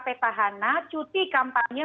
petahana cuti kampanye